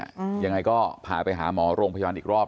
อืมยังไงก็พาไปหาหมอโรงพยาบาลอีกรอบ